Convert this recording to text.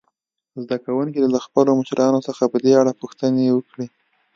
زده کوونکي دې له خپلو مشرانو څخه په دې اړه پوښتنې وکړي.